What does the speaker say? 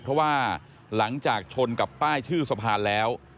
เพราะว่าหลังจากชนกับป้ายชื่อสะพานแล้ว